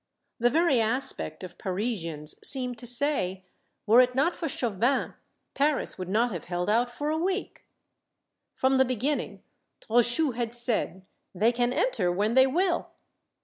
The very aspect of Parisians seemed to say, " Were it not for Chauvin, Paris would not have held out for a week !" From the beginning Trochu had said, " They can enter when they will